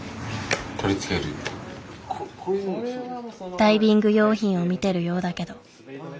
ダイビング用品を見てるようだけど。